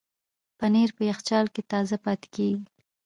پنېر په یخچال کې تازه پاتې کېږي.